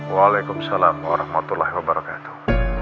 waalaikumsalam warahmatullahi wabarakatuh